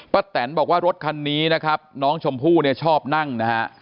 แตนบอกว่ารถคันนี้นะครับน้องชมพู่เนี่ยชอบนั่งนะฮะ